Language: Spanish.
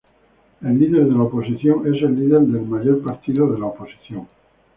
El líder de la oposición es el líder del mayor partido de la oposición.